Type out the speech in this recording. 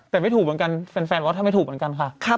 แต่ไม่ถูกเหมือนกันแฟนบอกว่าถ้าไม่ถูกเหมือนกันค่ะ